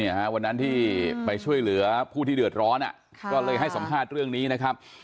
วันนั้นที่ไปช่วยเหลือผู้ที่เดือดร้อนก็เลยให้สัมภาษณ์เรื่องนี้นะครับ